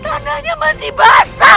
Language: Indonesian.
tanahnya masih basah